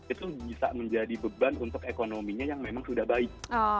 itu bisa menjadi beban untuk ekonominya yang memang sudah baik